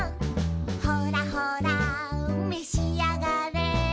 「ほらほらめしあがれ」